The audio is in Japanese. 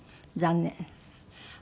残念。